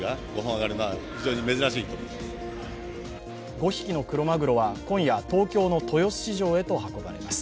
５匹のクロマグロは今夜東京の豊洲市場へと運ばれます。